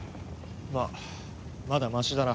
まあまだマシだな。